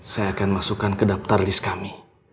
saya akan masukkan ke daftar list kami